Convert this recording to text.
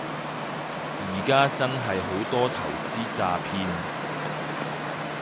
而家真係好多投資詐騙